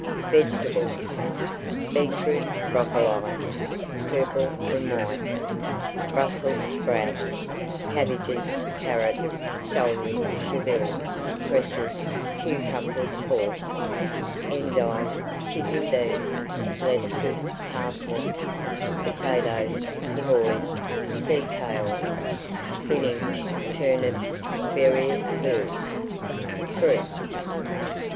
VEGETABLES. Beetroot, broccoli (purple and white), Brussels sprouts, cabbages, carrots, celery, chervil, cresses, cucumbers (forced), endive, kidney beans, lettuces, parsnips, potatoes, savoys, sea kale, spinach, turnips, various herbs. FRUIT.